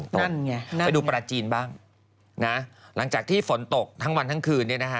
นั่นไงไปดูปลาจีนบ้างนะหลังจากที่ฝนตกทั้งวันทั้งคืนเนี่ยนะฮะ